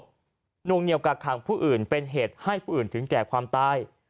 นวงเหนียวกักขังผู้อื่นเป็นเหตุให้ผู้อื่นถึงแก่ความตาย